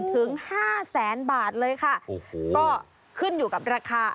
ถึงห้าแสนบาทเลยค่ะโอ้โหก็ขึ้นอยู่กับราคา